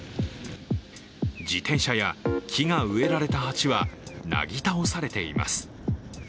自転車や木が植えられた鉢はなぎ倒されています。